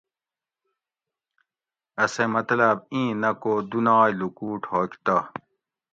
اسیں مطلاۤب اِیں نہ کو دُنائے لُکوٹ ہوگ تہ